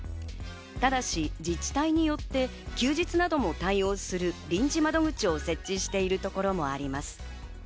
ただし自治体によって休日なども対応する臨時窓口を設置しているところもあります。